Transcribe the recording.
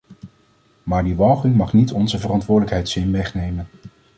Maar die walging mag niet onze verantwoordelijkheidszin wegnemen.